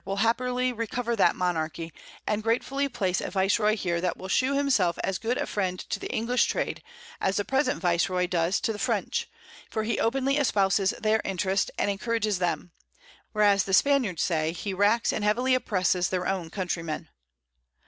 will happily recover that Monarchy, and gratefully place a Vice roy here that will shew himself as good a Friend to the English Trade, as the present Vice roy does to the French; for he openly espouses their Interest, and encourages them; whereas the Spaniards say, he racks and heavily oppresses their own Countrymen.